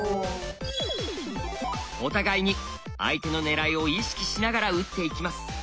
お互いに相手の狙いを意識しながら打っていきます。